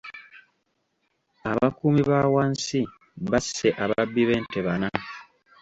Abakuumi ba wansi basse ababbi b'ente bana.